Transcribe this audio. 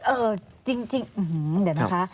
เออจริงอื้อหือเดี๋ยวนะคะ